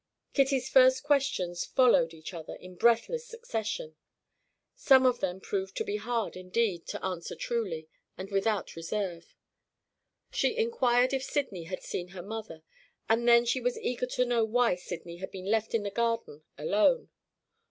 Kitty's first questions followed each other in breathless succession. Some of them proved to be hard, indeed, to answer truly, and without reserve. She inquired if Sydney had seen her mother, and then she was eager to know why Sydney had been left in the garden alone.